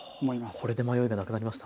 これで迷いがなくなりました。